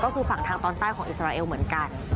ก็คือฝั่งทางตอนใต้ของอิสราเอลเหมือนกัน